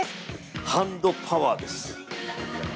ハンドパワーです！